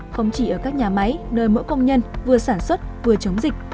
không chỉ ở các nhà máy nơi mỗi công nhân vừa sản xuất vừa chống dịch